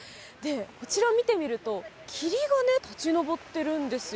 こちらを見てみると霧が立ち上っているんですよ。